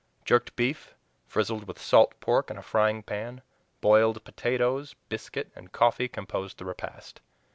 Jerked beef, frizzled with salt pork in a frying pan, boiled potatoes, biscuit, and coffee composed the repast.